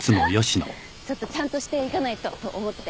ちょっとちゃんとしていかないとと思って。